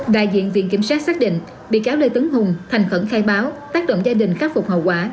đại diện viện kiểm soát xác định bị cáo lê tấn hùng thành khẩn khai báo tác động gia đình khắc phục hậu quả đối với các nhà hàng